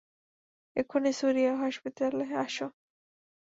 এক্ষুনি সুরিয়া হসপিটালে আসো!